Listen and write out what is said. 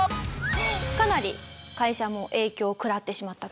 かなり会社も影響を食らってしまったと。